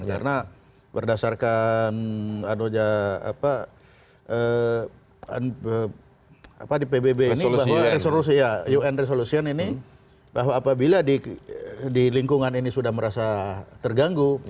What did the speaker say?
karena berdasarkan apa di pbb ini bahwa resolusi un ini bahwa apabila di lingkungan ini sudah merasa terganggu